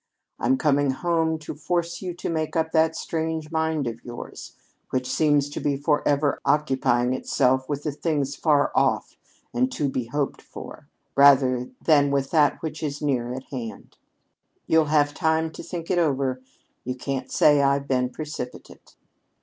I'm coming home to force you to make up that strange mind of yours, which seems to be forever occupying itself with the thing far off and to be hoped for, rather than with what is near at hand. "You'll have time to think it over. You can't say I've been precipitate.